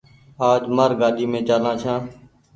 آج مآر گآڏي مين چآلآن ڇآن۔